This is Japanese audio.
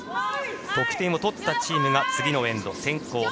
得点を取ったチームが次のエンド、先攻。